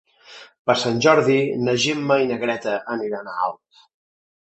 Per Sant Jordi na Gemma i na Greta aniran a Alp.